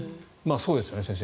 そうですよね、先生。